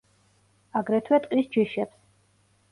აგრეთვე ტყის ჯიშებს.